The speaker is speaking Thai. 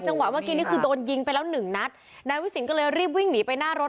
เมื่อกี้นี่คือโดนยิงไปแล้วหนึ่งนัดนายวิสินก็เลยรีบวิ่งหนีไปหน้ารถ